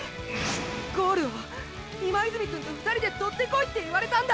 ゴールを今泉くんと２人でとってこいって言われたんだ。